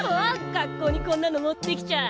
学校にこんなの持ってきちゃ。